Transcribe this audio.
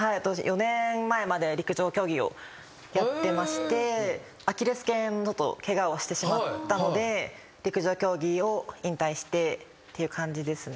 ４年前まで陸上競技をやってましてアキレス腱ちょっとケガをしてしまったので陸上競技を引退してっていう感じですね。